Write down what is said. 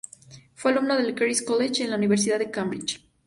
Fue alumno del "Christ's College" de la Universidad de Cambridge.